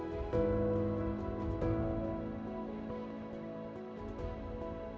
saya tahu sulit kau setahun